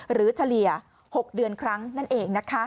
เฉลี่ย๖เดือนครั้งนั่นเองนะคะ